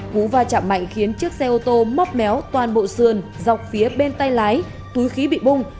cú va chạm mạnh khiến chiếc xe ô tô móc méo toàn bộ sườn dọc phía bên tay lái túi khí bị bung